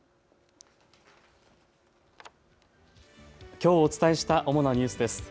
きょうお伝えした主なニュースです。